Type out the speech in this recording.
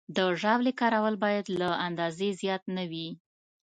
د ژاولې کارول باید له اندازې زیات نه وي.